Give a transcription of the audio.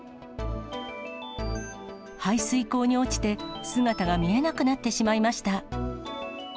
排水溝に落ちて、姿が見えなくなってしまいました。